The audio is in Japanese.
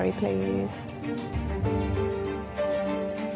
はい。